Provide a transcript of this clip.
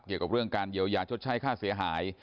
เกี่ยวกับเรื่องการเยียวยาชดใช้ค่าเสียหาย